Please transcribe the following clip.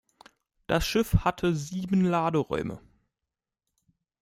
Das Schiff hatte sieben Laderäume.